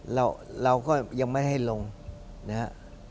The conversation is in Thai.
เราก็ยังไม่ให้ลงนะฮะ